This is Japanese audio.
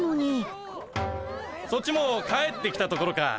そっちも帰ってきたところか。